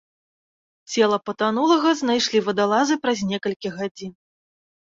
Цела патанулага знайшлі вадалазы праз некалькі гадзін.